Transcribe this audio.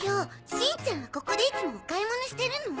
しんちゃんはここでいつもお買い物してるの？